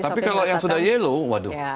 tapi kalau yang sudah yellow waduh